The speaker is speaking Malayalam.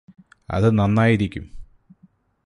അത് നന്നായിരിക്കും